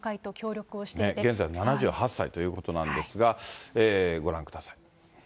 現在、７８歳ということなんですが、ご覧ください。